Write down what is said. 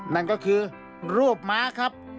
นั่นก็คือรูปม้าครับ